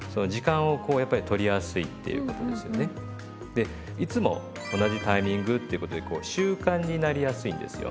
でいつも同じタイミングってことで習慣になりやすいんですよ。